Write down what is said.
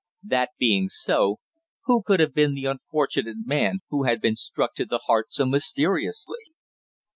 That being so, who could have been the unfortunate man who had been struck to the heart so mysteriously?